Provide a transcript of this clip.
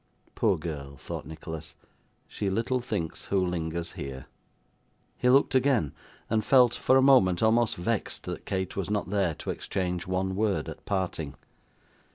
'Poor girl,' thought Nicholas, 'she little thinks who lingers here!' He looked again, and felt, for the moment, almost vexed that Kate was not there to exchange one word at parting.